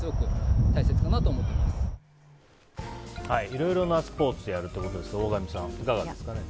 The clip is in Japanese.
いろいろなスポーツをやるということですが大神さん、いかがですかね？